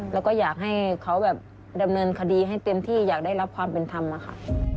แล้วก็อยากให้เขาแบบดำเนินคดีให้เต็มที่อยากได้รับความเป็นธรรมอะค่ะ